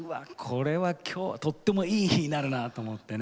これは今日はとってもいい日になるなと思って。